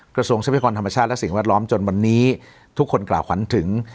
ทรัพยากรธรรมชาติและสิ่งแวดล้อมจนวันนี้ทุกคนกล่าวขวัญถึง